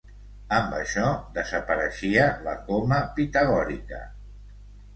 Amb això, desapareixia la coma pitagòrica.